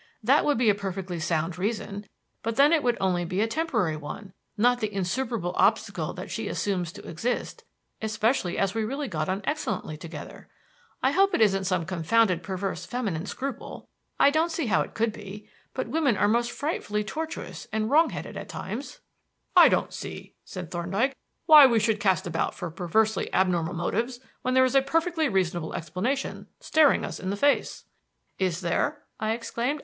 That would be a perfectly sound reason, but then it would only be a temporary one, not the insuperable obstacle that she assumes to exist, especially as we really got on excellently together. I hope it isn't some confounded perverse feminine scruple. I don't see how it could be; but women are most frightfully tortuous and wrong headed at times." "I don't see," said Thorndyke, "why we should cast about for perversely abnormal motives when there is a perfectly reasonable explanation staring us in the face." "Is there?" I exclaimed.